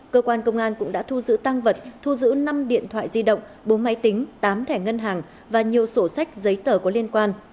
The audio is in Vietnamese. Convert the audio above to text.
cơ quan công an cũng đã thu giữ tăng vật thu giữ năm điện thoại di động bốn máy tính tám thẻ ngân hàng và nhiều sổ sách giấy tờ có liên quan